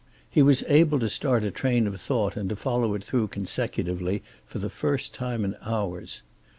He was able to start a train of thought and to follow it through consecutively for the first time in hours.